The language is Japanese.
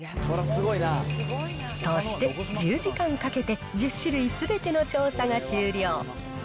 そして１０時間かけて１０種類すべての調査が終了。